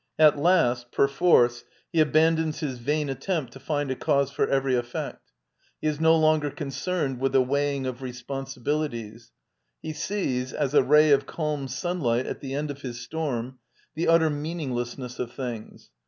At last, per force, he abandons his vain attempt to find a cause for every effect; he is no longer concerned with the weighing of responsibilities; he sees, as a ray of calm sunlight at the end of his storm, the utter meaninglessness of things.